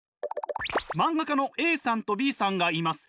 マンガ家のＡさんとＢさんがいます。